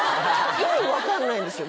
意味分かんないんですよ